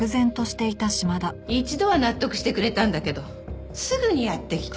一度は納得してくれたんだけどすぐにやって来て。